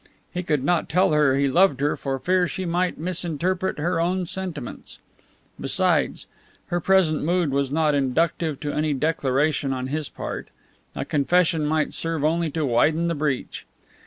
He could not tell her he loved her for fear she might misinterpret her own sentiments. Besides, her present mood was not inductive to any declaration on his part; a confession might serve only to widen the breach.